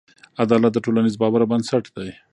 عدالت د ټولنیز باور بنسټ دی.